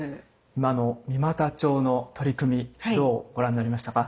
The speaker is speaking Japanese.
今の三股町の取り組みどうご覧になりましたか？